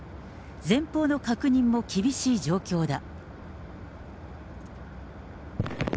前方の確認も厳しい状況だ。